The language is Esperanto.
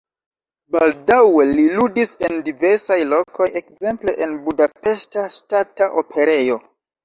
Baldaŭe li ludis en diversaj lokoj, ekzemple en Budapeŝta Ŝtata Operejo.